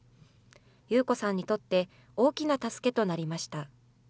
ユウコさんにとって、大きな助けとなりました。